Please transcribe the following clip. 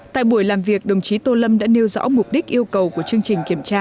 tại buổi làm việc đồng chí tô lâm đã nêu rõ mục đích yêu cầu của chương trình kiểm tra